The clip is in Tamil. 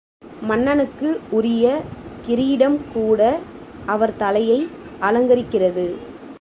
மன்னனுக்கு உரிய கிரீடம் கூட அவர் தலையை அலங்கரிக்கிறது.